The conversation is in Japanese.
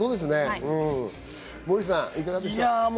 モーリーさんいかがでしょう？